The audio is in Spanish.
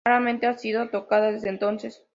Raramente ha sido tocada desde entonces.